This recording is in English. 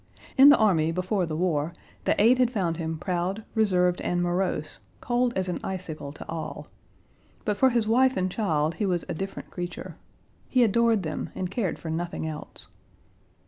In the army before the war, the aide had found him proud, reserved, and morose, cold as an icicle to all. But for his wife and child he was a different creature. He adored them and cared for nothing else.